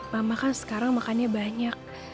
mama kan sekarang makannya banyak